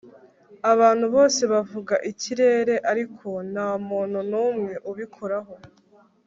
abantu bose bavuga ikirere, ariko ntamuntu numwe ubikoraho